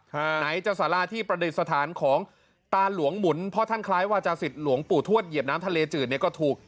ไหนจะสาราที่ประดิษฐานของตาหลวงหมุนเพราะท่านคล้ายวาจาศิษย์หลวงปู่ทวดเหยียบน้ำทะเลจืดเนี่ยก็ถูก